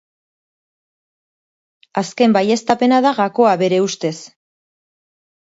Azken baieztapena da gakoa bere ustez.